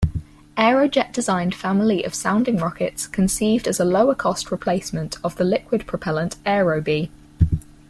Aerojet-designed family of sounding rockets conceived as a lower-cost replacement of the liquid-propellant Aerobee.